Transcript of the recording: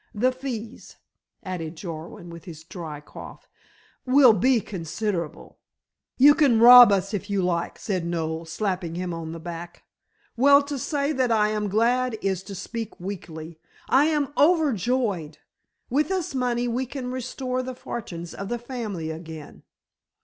The fees," added Jarwin with his dry cough, "will be considerable." "You can rob us if you like," said Noel, slapping him on the back. "Well, to say that I am glad is to speak weakly. I am overjoyed. With this money we can restore the fortunes of the family again."